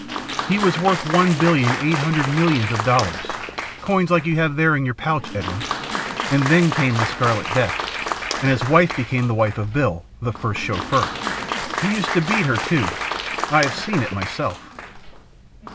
He was worth one billion, eight hundred millions of dollars coins like you have there in your pouch, Edwin. And then came the Scarlet Death, and his wife became the wife of Bill, the first Chauffeur. He used to beat her, too. I have seen it myself."